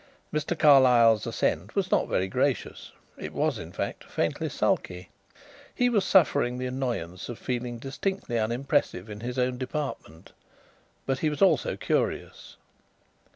Mr. Carlyle's assent was not very gracious; it was, in fact, faintly sulky. He was suffering the annoyance of feeling distinctly unimpressive in his own department; but he was also curious.